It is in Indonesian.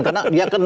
karena dia kan